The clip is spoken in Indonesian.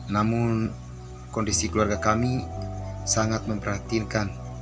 namun kondisi keluarga kami sangat memperhatinkan